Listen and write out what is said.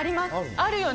あるよね。